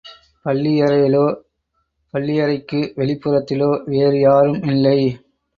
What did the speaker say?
பள்ளியறையிலோ, பள்ளியறைக்கு வெளிப்புறத்திலோ வேறு யாரும் இல்லை.